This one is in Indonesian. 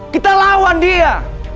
kita lawan dia